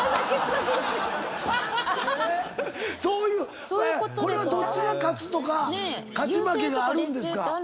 そういうこれはどっちが勝つとか勝ち負けがあるんですか？